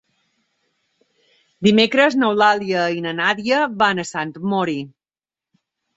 Dimecres n'Eulàlia i na Nàdia van a Sant Mori.